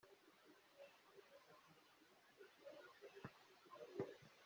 Ibihugu cya Croatia na Slovenia byatangaje ubwigenge bwabyo